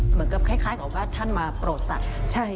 เหมือนกับคล้ายกับว่าท่านมาโปรดสัตว์